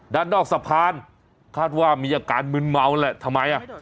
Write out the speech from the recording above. ด้านนอกสะพานคาดว่ามีอาการมึนเมาแหละทำไมอ่ะ